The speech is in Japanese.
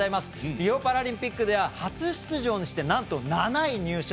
リオパラリンピックでは初出場にしてなんと、７位入賞。